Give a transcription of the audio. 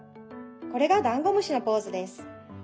これがダンゴムシのポーズです。